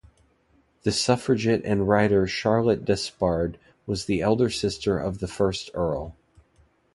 The suffragette and writer Charlotte Despard was the elder sister of the first Earl.